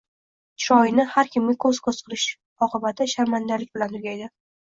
Chiroyini har kimga ko‘z-ko‘z qilish oqibati sharmandalik bilan tugaydi.